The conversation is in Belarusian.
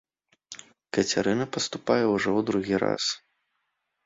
Кацярына паступае ўжо ў другі раз.